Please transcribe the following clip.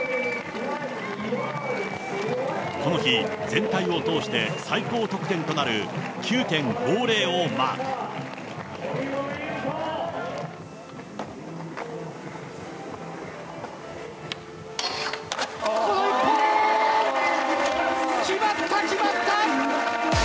この日、全体を通して最高得点となる９．５０をマーク。決まった、決まった！